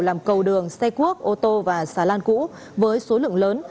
làm cầu đường xe cuốc ô tô và xà lan cũ với số lượng lớn